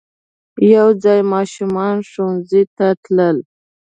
یو ځای ماشومان ښوونځی ته تلل.